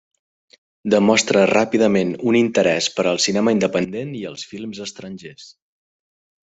Demostra ràpidament un interès per al cinema independent i els films estrangers.